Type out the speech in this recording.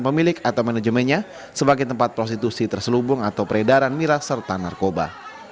pemilik atau manajemennya sebagai tempat prostitusi terselubung atau peredaran miras serta narkoba